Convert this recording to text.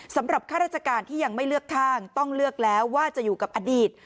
ข้าราชการที่ยังไม่เลือกข้างต้องเลือกแล้วว่าจะอยู่กับอดีต